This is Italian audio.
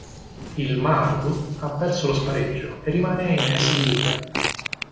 Il Maardu ha perso lo spareggio e rimane in Esiliiga.